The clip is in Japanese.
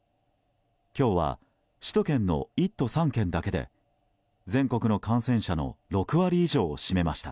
今日は首都圏の１都３県だけで全国の感染者の６割以上を占めました。